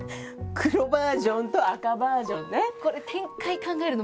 黒バージョンと赤バージョンね。